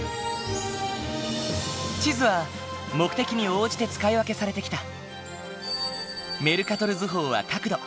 地図は目的に応じて使い分けされてきた。